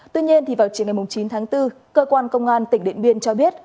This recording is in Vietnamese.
tuy nhiên vào chiều ngày chín tháng bốn cơ quan công an tỉnh điện biên cho biết